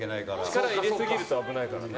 力入れすぎると危ないからね。